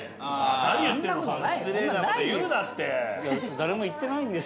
何言ってんですか。